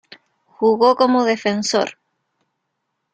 Jugó como defensor.